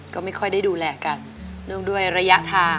ก็ไม่ค่อยได้ดูแลกันเนื่องด้วยระยะทาง